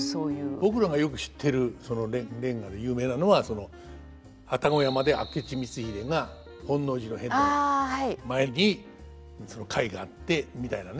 僕らがよく知ってる連歌で有名なのは愛宕山で明智光秀が本能寺の変の前にその会があってみたいなね。